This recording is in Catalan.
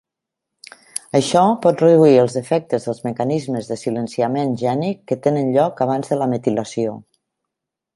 Això pot reduir els efectes dels mecanismes de silenciament gènic que tenen lloc abans de la metilació.